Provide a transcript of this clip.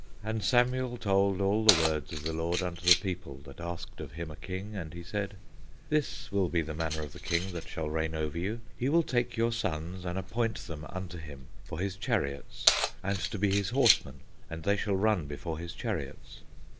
And Samuel told all the words of the Lord unto the people that asked of him a king, and he said: This will be the manner of the king that shall reign over you; he will take your sons, and appoint them unto him, for his chariots, and to be his horsemen, and they shall run before his chariots.